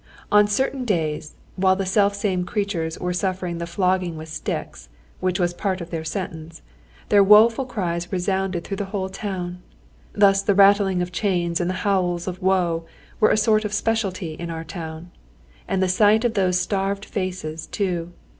On certain days while the self same creatures were suffering the flogging with sticks, which was part of their sentence, their woful cries resounded through the whole town. Thus the rattling of chains and the howls of woe were a sort of speciality in our town. And the sight of those starved faces too!